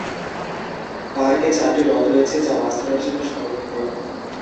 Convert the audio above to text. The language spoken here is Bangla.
পার্কে চারটি হ্রদ রয়েছে যা মাছ ধরার জন্য সংরক্ষিত।